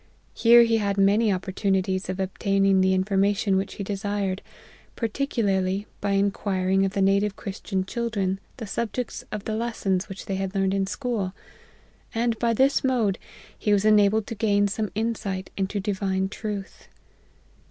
Here he had many opportunities of obtaining the information which he desired, par ticularly by inquiring of the native Christian chil* dren the subjects of the lessons which they had learned in school : and by this mode, he was enabled to gain some insight into Divine Truth.